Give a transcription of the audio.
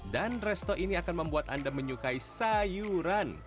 dan resto ini akan membuat anda menyukai sayuran